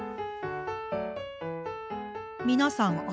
皆さん